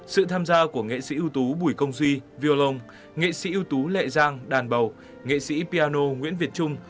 sự tham gia của nghệ sĩ ưu tú bùi công duy violon nghệ sĩ ưu tú lệ giang đàn bầu nghệ sĩ piano nguyễn việt trung